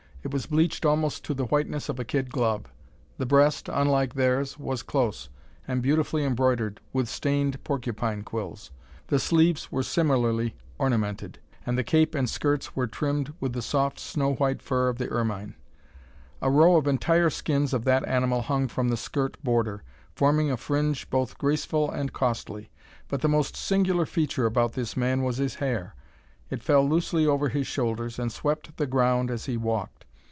It was bleached almost to the whiteness of a kid glove. The breast, unlike theirs, was close, and beautifully embroidered with stained porcupine quills. The sleeves were similarly ornamented; and the cape and skirts were trimmed with the soft, snow white fur of the ermine. A row of entire skins of that animal hung from the skirt border, forming a fringe both graceful and costly. But the most singular feature about this man was his hair. It fell loosely over his shoulders, and swept the ground as he walked!